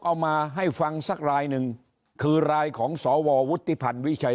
เอามาให้ฟังสักรายหนึ่งคือรายของสววุฒิพันธ์วิชัย